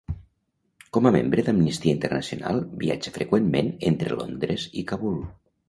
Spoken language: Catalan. Com a membre d'Amnistia Internacional, viatja freqüentment entre Londres i Kabul.